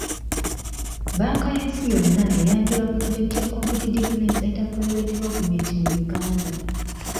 Bbanka y’ensi yonna yayanjula pulojekiti ya Competitiveness Enterprise Development mu Uganda.